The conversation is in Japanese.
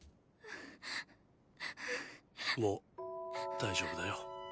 もう大丈夫だよ。